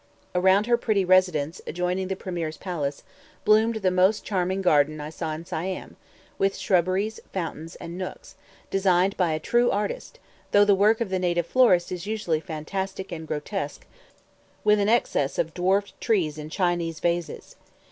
Around her pretty residence, adjoining the Premier's palace, bloomed the most charming garden I saw in Siam, with shrubberies, fountains, and nooks, designed by a true artist; though the work of the native florists is usually fantastic and grotesque, with an excess of dwarfed trees in Chinese vases.